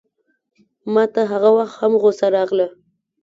ماته هغه وخت هم غوسه راغله.